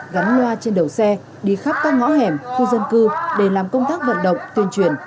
gắn loa trên đầu xe đi khắp các ngõ hẻm khu dân cư để làm công tác vận động tuyên truyền